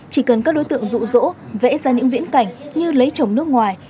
chỉ cần các đối tượng rụ rỗ vẽ ra những viễn cảnh như lấy chồng nước ngoài